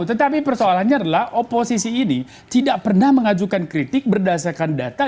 tetapi persoalannya adalah oposisi ini tidak pernah mengajukan kritik berdasarkan data